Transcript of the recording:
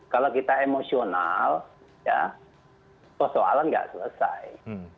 kalau kita emosional ya persoalan nggak selesai